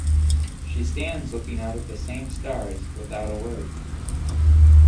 She stands looking out at the same stars without a word.